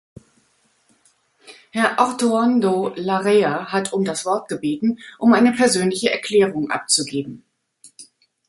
Herr Ortuondo Larrea hat um das Wort gebeten, um eine persönliche Erklärung abzugeben.